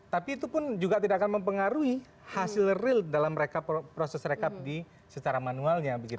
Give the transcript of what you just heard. tapi itu pun juga tidak akan mempengaruhi hasil real dalam proses rekap secara manualnya